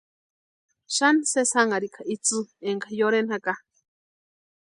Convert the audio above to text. Xani sesi janharika itsï énka yorheni jaka.